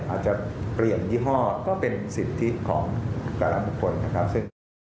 อาจจะเปลี่ยนยิหาสก็เป็นสิทธิของกลายละพวกคน